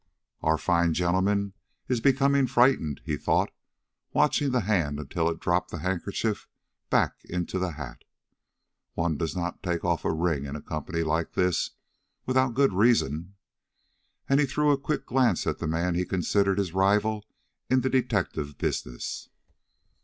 "Our fine gentleman is becoming frightened," he thought, watching the hand until it dropped the handkerchief back into the hat. "One does not take off a ring in a company like this without a good reason." And he threw a quick glance at the man he considered his rival in the detective business.